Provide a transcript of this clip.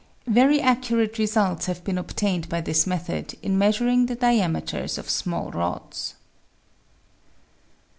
Very accurate results have been obtained by this method in measuring the diam eters of small rods.